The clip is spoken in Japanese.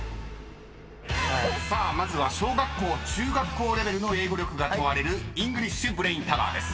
［まずは小学校・中学校レベルの英語力が問われるイングリッシュブレインタワーです］